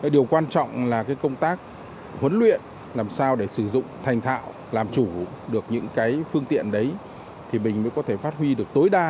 điều quan trọng là công tác huấn luyện làm sao để sử dụng thành thạo làm chủ được những cái phương tiện đấy thì mình mới có thể phát huy được tối đa